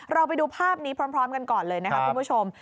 เราไปดูภาพนี้พร้อมกันก่อนเลยนะครับคุณผู้ชม